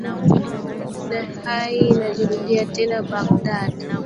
ha hii inajirudia tena baghdad